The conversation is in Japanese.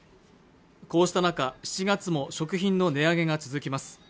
こうした中７月も食品の値上げが続きます